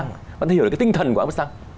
và người ta hiểu được cái tinh thần của afghanistan